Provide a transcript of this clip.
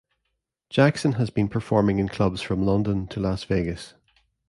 Jackson has been performing in clubs from London to Las Vegas.